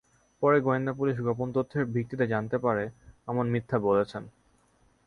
পরে গোয়েন্দা পুলিশ গোপন তথ্যের ভিত্তিতে জানতে পারে, মামুন মিথ্যা বলেছেন।